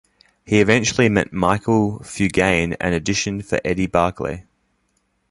He eventually met Michel Fugain and auditioned for Eddie Barclay.